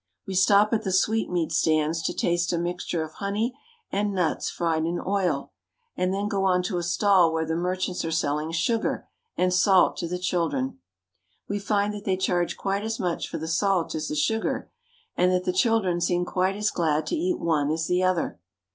We stop at the sweetmeat stands to taste a mixture of honey and nuts fried in oil, and then go on to a stall where the merchants are selling sugar and salt to the children. We find that they charge quite as much for the salt as the sugar, and that the children seem quite as glad to eat one as the other.